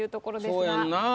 そうやんなぁ。